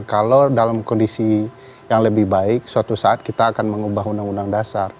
kalau dalam kondisi yang lebih baik suatu saat kita akan mengubah uud